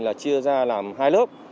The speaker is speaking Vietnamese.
là chia ra làm hai lớp